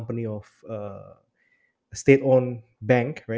bank yang berada di negara